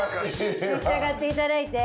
召し上がっていただいて。